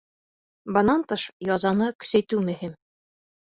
Бынан тыш, язаны көсәйтеү мөһим.